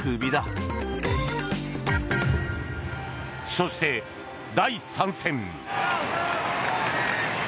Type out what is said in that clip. そして第３戦。